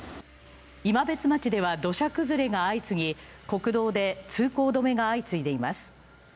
今別町では土砂崩れが相次ぎ、国道で通行止めが相次いでいます。